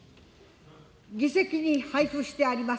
議席に配付してあります